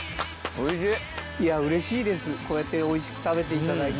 おいしい。